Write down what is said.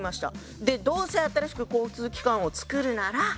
でどうせ新しく交通機関をつくるなら。